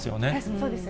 そうですね。